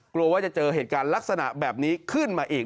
กลัวว่าจะเจอเหตุการณ์ลักษณะแบบนี้ขึ้นมาอีก